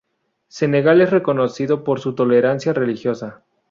Senegal es reconocido por su tolerancia religiosa.